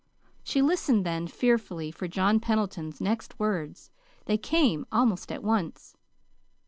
She listened then, fearfully, for John Pendleton's next words. They came almost at once.